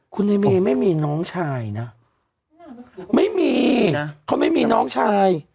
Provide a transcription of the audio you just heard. คุณไอ้เมย์ไม่มีน้องชายนะไม่มีเขาไม่มีน้องชาย